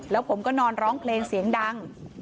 แล้วผมก็นอนร้องเพลงเสียงดัง